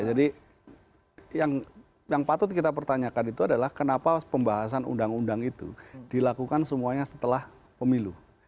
jadi yang patut kita pertanyakan itu adalah kenapa pembahasan undang undang itu dilakukan semuanya setelah pemilu